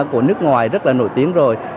của nước ngoài rất là nổi tiếng rồi